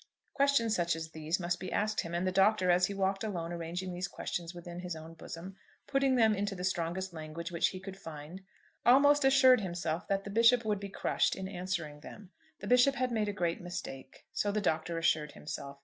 Questions such as these must be asked him; and the Doctor, as he walked alone, arranging these questions within his own bosom, putting them into the strongest language which he could find, almost assured himself that the Bishop would be crushed in answering them. The Bishop had made a great mistake. So the Doctor assured himself.